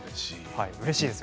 うれしいです。